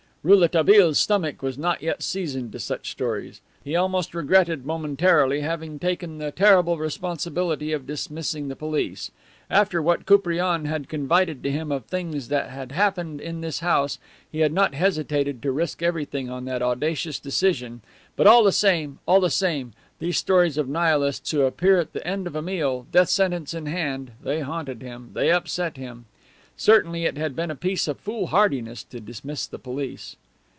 Rouletabille's stomach was not yet seasoned to such stories. He almost regretted, momentarily, having taken the terrible responsibility of dismissing the police. After what Koupriane had confided to him of things that had happened in this house, he had not hesitated to risk everything on that audacious decision, but all the same, all the same these stories of Nihilists who appear at the end of a meal, death sentence in hand, they haunted him, they upset him. Certainly it had been a piece of foolhardiness to dismiss the police!